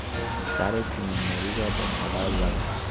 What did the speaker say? سر کوئین مری را با تبر زدند.